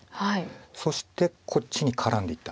そしてこっちに絡んでいった。